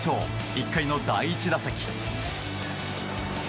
１回の第１打席。